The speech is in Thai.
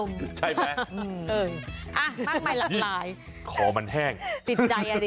คุณมาตั้งวันนี้แก้ว